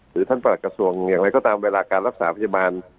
ท่านประหลักกระทรวงอย่างไรก็ตามเวลาการรักษาพยาบาล